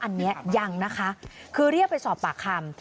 อันนี้ยังนะคะคือเรียกไปสอบปากคำ